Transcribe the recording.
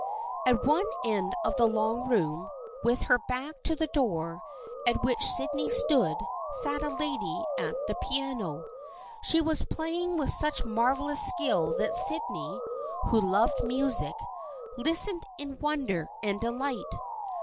At one end of the long room, with her back to the door at which Sydney stood, sat a lady at the piano. She was playing with such marvelous skill that Sydney, who loved music, listened in wonder and delight.